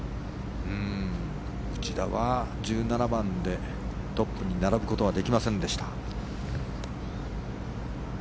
内田は１７番でトップに並ぶことはできませんでした。